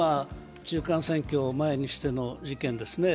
中間選挙を前にしての事件ですね。